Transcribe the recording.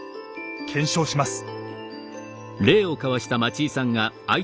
検証します。